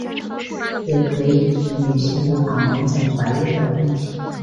也可以指女性无法完整怀孕的问题。